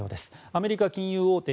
アメリカ金融大手